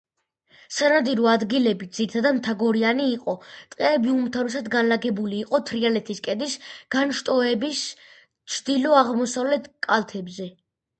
სანადირო ადგილები ძირითადად მთაგორიანი იყო, ტყეები უმთავრესად განლაგებული იყო თრიალეთის ქედის განშტოებების ჩრდილო-აღმოსავლეთ კალთებზე.